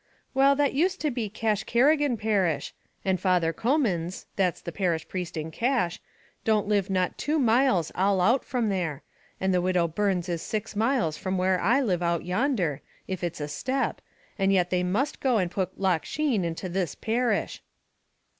"Well, that used to be Cashcarrigan parish; and Father Comyns that's the parish priest in Cash don't live not two miles all out from there; and the widow Byrne's is six miles from where I live out yonder, if it's a step, and yet they must go and put Loch Sheen into this parish."